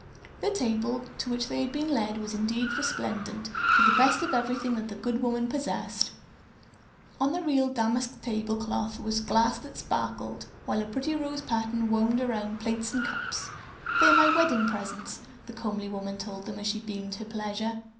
The table to which they had been led was indeed resplendent with the best of everything that the good woman possessed. On a real damask table cloth was glass that sparkled, while a pink rose pattern wound about plates and cups. "They're my wedding presents," the comely woman told them as she beamed her pleasure.